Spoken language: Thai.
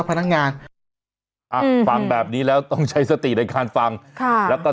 พนักงานอ่ะฟังแบบนี้แล้วต้องใช้สติในการฟังค่ะแล้วก็